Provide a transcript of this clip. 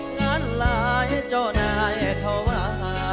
งานหลายเจ้านายเขาว่า